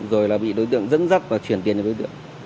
rồi là bị đối tượng dẫn dắt và chuyển tiền cho đối tượng